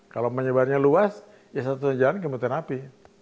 kalau menyebarnya luas ya satu satunya jalan ke kemoterapi